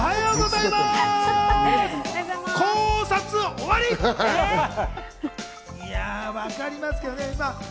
いや、わかりますけどね。